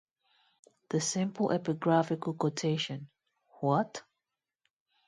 The simple epigraphical quotation, What?